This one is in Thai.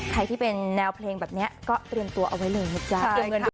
ใครที่เป็นแนวเพลงแบบนี้ก็เตรียมตัวเอาไว้เลยนะจ๊ะ